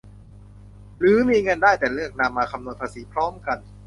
หรือมีเงินได้แต่เลือกนำมาคำนวณภาษีพร้อมกัน